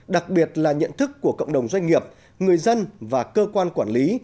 đặc biệt là nhận thức của cộng đồng doanh nghiệp người dân và cơ quan quản lý